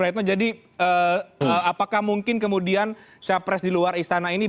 apakah mungkin kemudian capres di luar istana ini